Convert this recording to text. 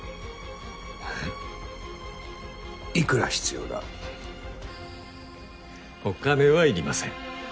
いくら必要だお金は要りません。